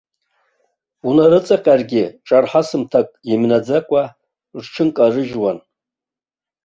Унарыҵаҟьаргьы ҿарҳасымҭак имнаӡакәа рҽынкарыжьхуан.